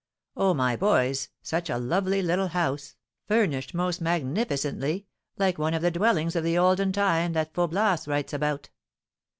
Oh, my boys! such a lovely little house, furnished most magnificently, like one of the dwellings of the olden time that Faublas writes about.